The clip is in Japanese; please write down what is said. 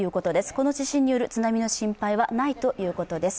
この地震による津波の心配はないということです。